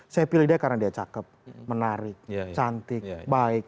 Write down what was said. saya pilih dia karena dia cakep menarik cantik baik